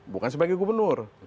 bukan sebagai gubernur